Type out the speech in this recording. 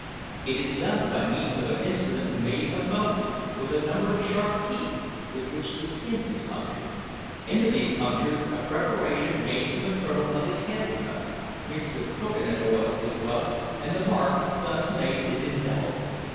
It is done by means of an instrument made of bone, with a number of sharp teeth, with which the skin is punctured. Into these punctures a preparation made from the kernel of the candle nut, mixed with cocoa nut oil, is rubbed, and the mark thus made is indelible.